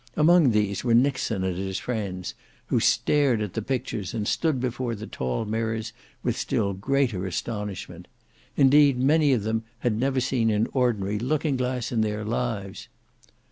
Among these were Nixon and his friends, who stared at the pictures and stood before the tall mirrors with still greater astonishment. Indeed many of them had never seen an ordinary looking glass in their lives.